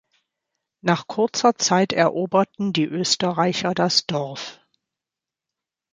Nach kurzer Zeit eroberten die Österreicher das Dorf.